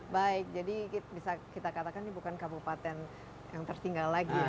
baik jadi bisa kita katakan ini bukan kabupaten yang tertinggal lagi ya